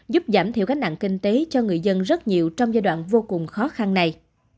giúp giảm thiểu gánh nặng kinh tế cho người dân rất nhiều trong giai đoạn vô cùng khó khăn này